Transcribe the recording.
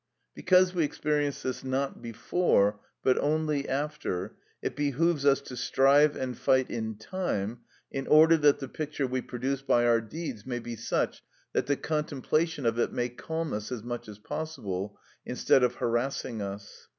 Because we experience this not before, but only after, it behoves us to strive and fight in time, in order that the picture we produce by our deeds may be such that the contemplation of it may calm us as much as possible, instead of harassing us.